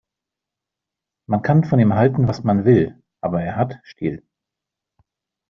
Man kann von ihm halten, was man will, aber er hat Stil.